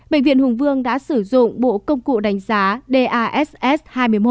bệnh viện hùng vương đã sử dụng bộ công cụ đánh giá dass hai mươi một